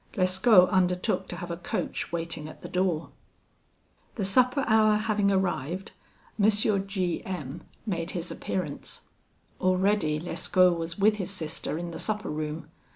Lescaut undertook to have a coach waiting at the door. "The supper hour having arrived, M. G M made his appearance. Already Lescaut was with his sister in the supper room.